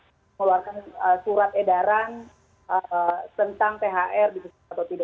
mengeluarkan surat edaran tentang thr dan sebagainya